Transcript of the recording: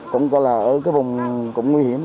cũng có là ở cái vùng cũng nguy hiểm